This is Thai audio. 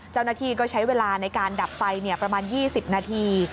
เจ้าหน้าที่ก็ใช้เวลาในการดับไฟประมาณ๒๐นาที